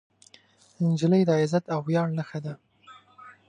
نجلۍ د عزت او ویاړ نښه ده.